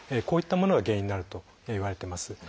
こういったものが原因になるといわれてます。